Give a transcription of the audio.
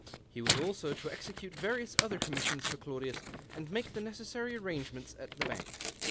He was also to execute various other commissions for Claudius, and make the necessarv arrangements at the bank.